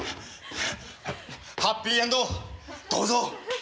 ハッピーエンドをどうぞ。